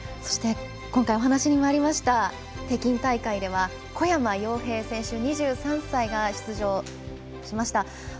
今回、お話にもありました北京大会では小山陽平選手、２３歳が出場しました。